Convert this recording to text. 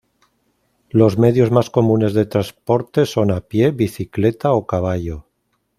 Los medios más comunes de transporte son a pie, bicicleta o caballo.